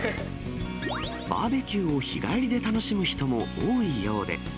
バーベキューを日帰りで楽しむ人も多いようで。